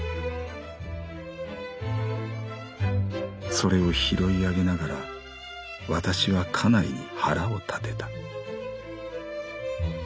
「それを拾い上げながらわたしは家内に腹を立てた」。